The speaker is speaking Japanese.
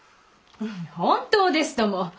本当ですとも。